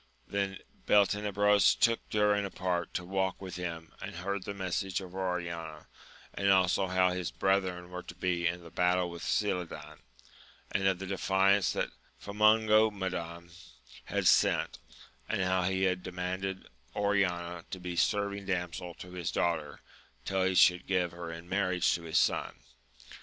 Then Beltenebros took Durin apart to walk with him, and heard the message of Oriana, and also how his brethren were to be in the battle with Cildadan, and of the defiance that Famongomadan had sent, and how he had demanded Oriana to be serving damsel to his daughter, till he should give her in marriage to his son.